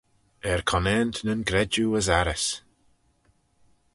Er conaant nyn gredjue as arrys.